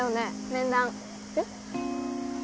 面談えっ？